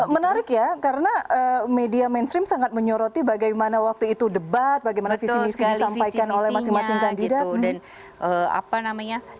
menarik ya karena media mainstream sangat menyoroti bagaimana waktu itu debat bagaimana visi misi disampaikan oleh masing masing kandidat